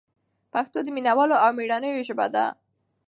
پښتو د مینه والو او مېړنیو ژبه ده.